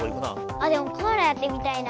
あでもコアラやってみたいな。